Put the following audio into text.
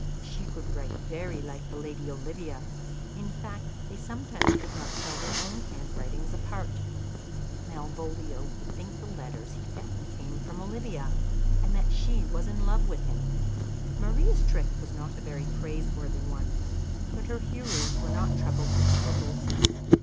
She could write very like the lady Olivia; in fact, they sometimes could not tell their own handwritings apart. Malvolio would think the letters he found came from Olivia, and that she was in love with him. Maria's trick was not a very praiseworthy one, but her hearers were not troubled with scruples.